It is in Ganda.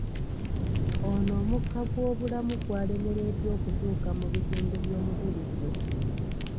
Ono omukka gw’obulamu gwalemereddwa okutuuka mu bitundu by’omubiri gwe.